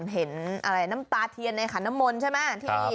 เห็นน้ำตาเทียนในขันน้ำมนต์ใช่ไหม